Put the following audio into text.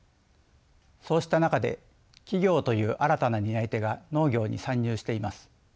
そうした中で企業という新たな担い手が農業に参入しています。